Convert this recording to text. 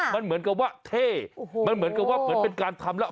มันเหมือนกับว่าเท่มันเหมือนกับว่าเหมือนเป็นการทำแล้ว